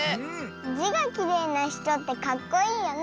「じ」がきれいなひとってかっこいいよね。